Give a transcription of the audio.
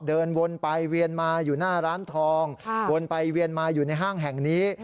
เดินวนไปเวียนมาอยู่หน้าร้านทองวนไปเวียนมาอยู่ในห้างแห่งนี้